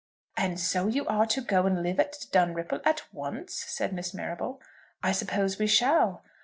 "And so you are to go and live at Dunripple at once," said Miss Marrable. "I suppose we shall."